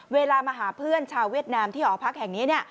เวลามาหาเพื่อนชาวเวียดนามที่หอพักแห่งนี้